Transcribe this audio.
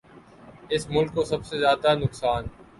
اس ملک کو سب سے زیادہ نقصان